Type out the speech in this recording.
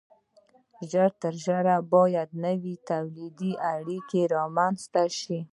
ژر تر ژره باید نوې تولیدي اړیکې رامنځته شي.